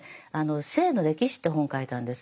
「性の歴史」って本を書いたんです。